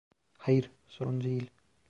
Hayır, sorun değil.